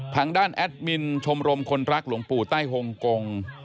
แอดมินชมรมคนรักหลวงปู่ใต้ฮงกง